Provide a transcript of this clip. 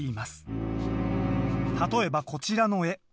例えばこちらの絵。